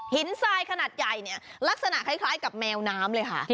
ทรายขนาดใหญ่เนี่ยลักษณะคล้ายกับแมวน้ำเลยค่ะ